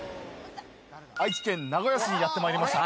愛知県名古屋市にやってきました。